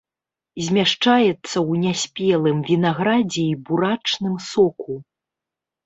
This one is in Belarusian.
Змяшчаецца ў няспелым вінаградзе і бурачным соку.